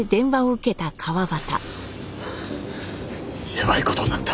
やばい事になった。